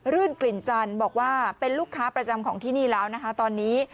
รื่นกลิ่นจันทร์บอกว่าเป็นลูกค้าประจำของที่นี่แล้วนะคะตอนนี้